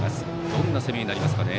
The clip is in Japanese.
どんな攻めになりますかね。